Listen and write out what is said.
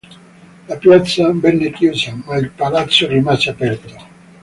La piazza venne chiusa, ma il palazzo rimase aperto.